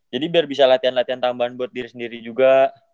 jadi biar bisa latihan latihan tambahan buat diri sendiri juga